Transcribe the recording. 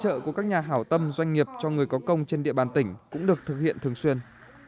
các dự án tài trợ của các nhà hảo tâm doanh nghiệp cho người có công trên địa bàn tỉnh cũng được thực hiện thực hiện